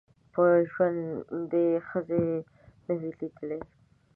په ژوند یې ښځي نه وې لیدلي